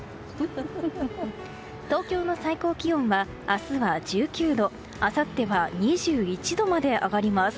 東京の最高気温は、明日は１９度あさっては２１度まで上がります。